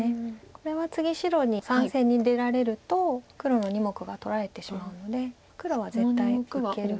これは次白に３線に出られると黒の２目が取られてしまうので黒は絶対受ける。